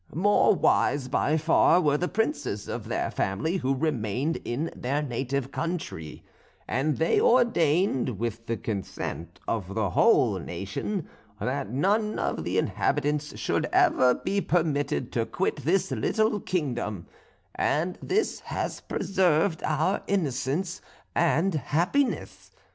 "More wise by far were the princes of their family, who remained in their native country; and they ordained, with the consent of the whole nation, that none of the inhabitants should ever be permitted to quit this little kingdom; and this has preserved our innocence and happiness.